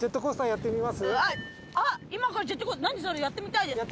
やってみたい？